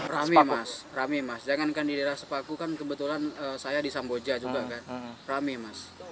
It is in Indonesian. rame mas rame mas jangankan di daerah sepaku kan kebetulan saya di samboja juga kan rame mas